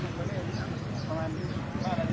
สุดท้ายสุดท้ายสุดท้าย